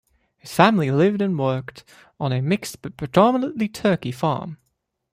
His family lived and worked on a mixed but predominately turkey farm.